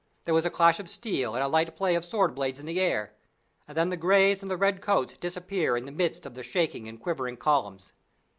There was a clash of steel and a light play of sword blades in the air, and then the Greys and the Red coats disappear in the midst of the shaken and quivering columns.